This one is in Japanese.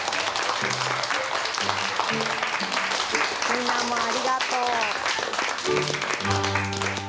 みんなもありがとう。